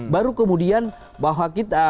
baru kemudian bahwa kita